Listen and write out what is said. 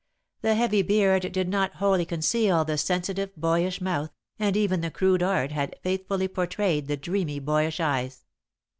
The heavy beard did not wholly conceal the sensitive, boyish mouth, and even the crude art had faithfully portrayed the dreamy, boyish eyes.